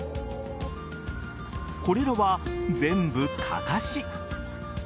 これらは全部かかし。